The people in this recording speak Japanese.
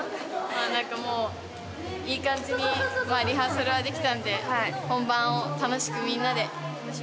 何かもういい感じにリハーサルはできたんで本番を楽しくみんなで楽しみます。